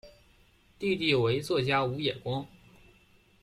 弟弟为作家武野光。